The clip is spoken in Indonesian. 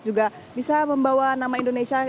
juga bisa membawa nama indonesia